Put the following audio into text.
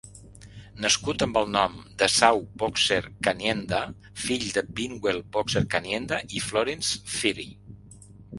Nascut amb el nom d'Esau Boxer Kanyenda, fill de Binwell Boxer Kanyenda i Florence Phiri.